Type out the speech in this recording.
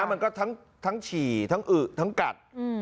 มันก็ทั้งฉี่ทั้งอึทั้งกัด